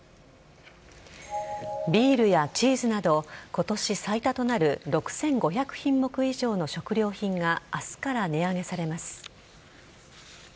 ビールやチーズなど今年最多となる６５００品目以上の食料品が明日から値上げされます。